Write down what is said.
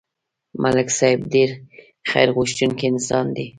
ملک صاحب ډېر خیرغوښتونکی انسان دی